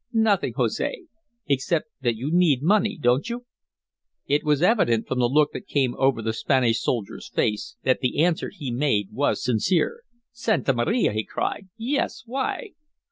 "Nothing, Jose, except that you need money, don't you?" It was evident from the look that came over the Spanish soldier's face that the answer he made was sincere. "Santa Maria!" he cried. "Yes! Why?"